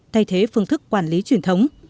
thay thế phương thức quản lý truyền thống